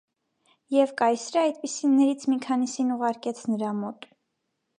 Եվ կայսրը այդպիսիններից մի քանիսին ուղարկեց նրա մոտ։